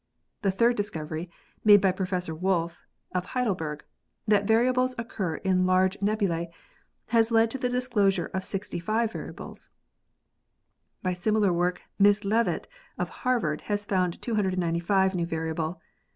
The third discovery, made by Professor Wolf, of Heidelberg, that variables occur in large nebula?, has led to his disclosure of 65 variables. By similar work Miss Leavitt, of Harvard, has found 295 new variable.